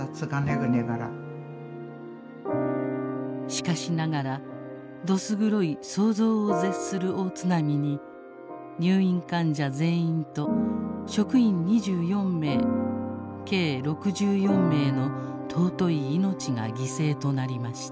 「しかしながらどす黒い想像を絶する大津波に入院患者全員と職員二十四名計六十四名の尊い命が犠牲となりました。